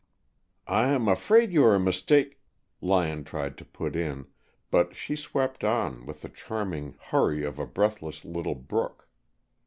"I'm afraid you are mista " Lyon tried to put in, but she swept on, with the charming hurry of a breathless little brook.